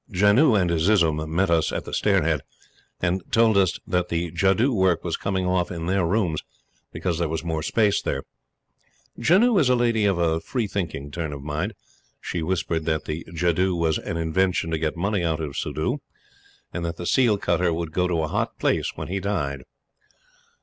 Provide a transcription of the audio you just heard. Janoo and Azizun met us at the stair head, and told us that the jadoo work was coming off in their rooms, because there was more space there. Janoo is a lady of a freethinking turn of mind. She whispered that the jadoo was an invention to get money out of Suddhoo, and that the seal cutter would go to a hot place when he died.